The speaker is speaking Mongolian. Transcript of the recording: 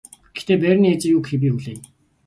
Гэхдээ байрны эзэн юу гэхийг би хүлээе.